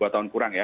dua tahun kurang ya